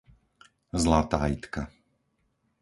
Zlatá Idka